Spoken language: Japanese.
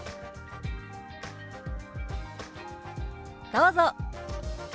どうぞ。